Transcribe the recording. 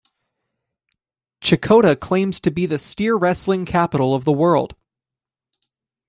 Checotah claims to be the steer wrestling capital of the world.